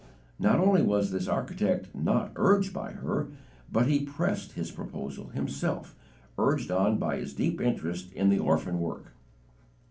Not only was this architect not urged by her, but he pressed his proposal, himself, urged on by his deep interest in the orphan work.